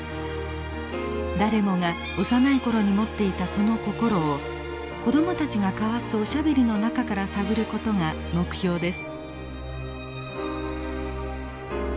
誰もが幼いころに持っていたその心を子供たちが交わすおしゃべりの中から探ることが目標です。